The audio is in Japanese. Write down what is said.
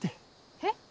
えっ。